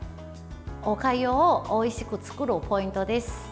おかゆをおいしく作るポイントです。